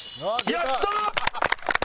やった！